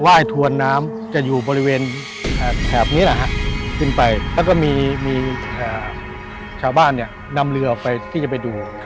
ยถวนน้ำจะอยู่บริเวณแถบนี้แหละฮะขึ้นไปแล้วก็มีชาวบ้านเนี่ยนำเรือออกไปที่จะไปดู